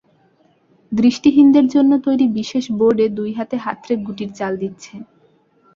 দৃষ্টিহীনদের জন্য তৈরি বিশেষ বোর্ডে দুই হাতে হাতড়ে গুটির চাল দিচ্ছে।